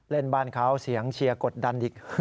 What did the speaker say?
เล่นบ้านเขาเสียงเชียร์กดดันอีก